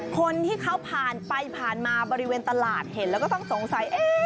คนที่เขาผ่านไปผ่านมาบริเวณตลาดเห็นแล้วก็ต้องสงสัย